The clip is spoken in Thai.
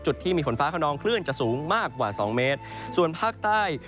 ที่มีฝนฟ้าขนองคลื่นจะสูงมากกว่าสองเมตรส่วนภาคใต้